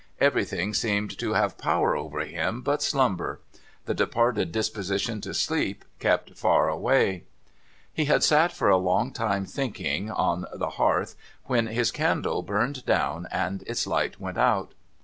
Everything seemed to have 542 NO THOROUGHFARE power over him but slumber. The departed disposition to sleep kei)t far away. He had sat for a long time thinking, on the hearth, when his candle burned down and its light went out.